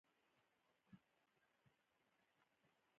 نجاري او نور کارونه هم د دوی په غاړه وو.